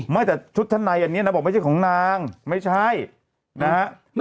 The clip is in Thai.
ไม่แต่ชุดชั้นในอันนี้นางบอกไม่ใช่ของนางไม่ใช่นะฮะ